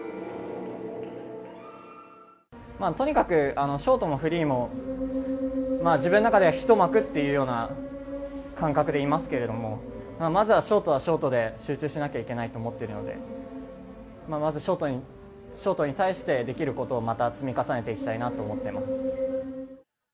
とにかくショートもフリーも、自分の中で一幕というような感覚でいますけれども、まずショートはショートで集中しなきゃいけないと思っていますので、まずショートに対してできることを積み重ねていきたいなと思っています。